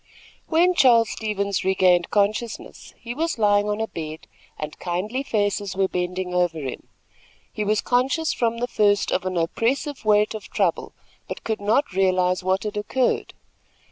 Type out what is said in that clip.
When Charles Stevens regained consciousness, he was lying on a bed, and kindly faces were bending over him. He was conscious from the first of an oppressive weight of trouble, but could not realize what had occurred.